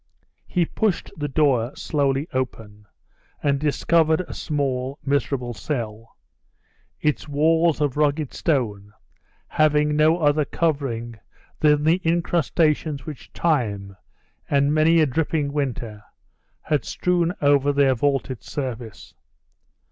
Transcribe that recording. He pushed the door slowly open, and discovered a small, miserable cell its walls, of rugged stone, having no other covering than the incrustations which time, and many a dripping winter, had strewn over their vaulted service.